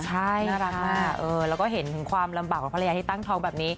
ใช่น่ารักมากแล้วก็เห็นถึงความลำบากของภรรยาที่ตั้งท้องแบบนี้